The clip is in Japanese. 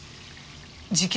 事件